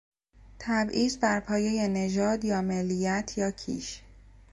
تبعیض بر پایهی نژاد یا ملیت یا کیش